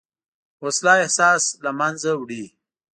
وسله احساس له منځه وړي